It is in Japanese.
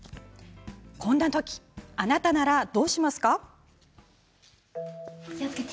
こんなときあなたならどうしますか。